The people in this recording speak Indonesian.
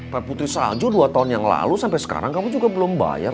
pak putri salju dua tahun yang lalu sampai sekarang kamu juga belum bayar